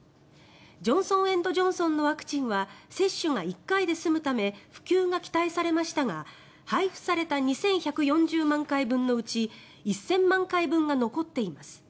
ジョンソン・エンド・ジョンソンのワクチンは接種が１回で済むため普及が期待されましたが配布された２１４０万回分のうち１０００万回分が残っています。